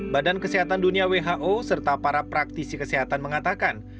badan kesehatan dunia who serta para praktisi kesehatan mengatakan